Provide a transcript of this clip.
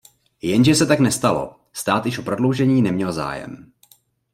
Jenže se tak nestalo, stát již o prodloužení neměl zájem.